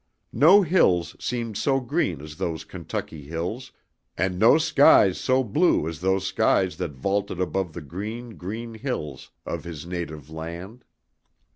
No hills seemed so green as those Kentucky hills and no skies so blue as those skies that vaulted above the green, green hills of his native land.